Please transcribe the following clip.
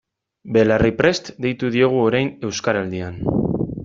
Belarriprest deitu diogu orain Euskaraldian.